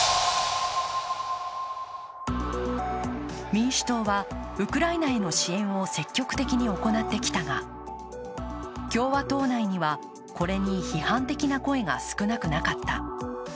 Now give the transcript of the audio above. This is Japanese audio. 民主党はウクライナへの支援を積極的に行ってきたが共和党内にはこれに批判的な声が少なくなかった。